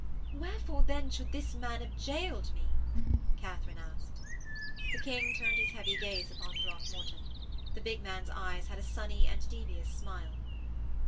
'Wherefore, then, should this man have gaoled me?' Katharine asked. The King turned his heavy gaze upon Throckmorton. The big man's eyes had a sunny and devious smile.